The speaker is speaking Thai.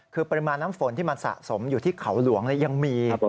คือปริมาณน้ำฝนที่มันสะสมอยู่ที่เขาหลวงยังมี